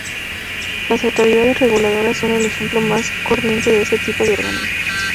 Las autoridades reguladoras son el ejemplo más corriente de este tipo de organismo.